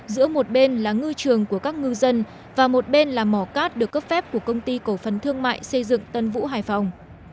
giữa một bên là ngư trường của các ngư dân và một bên là mỏ cát được cấp phép của công ty cổ phần thương mại xây dựng tân vũ hải phòng